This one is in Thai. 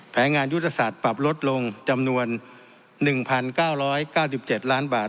แผนงานยุทธศาสตร์ปรับลดลงจำนวน๑๙๙๗ล้านบาท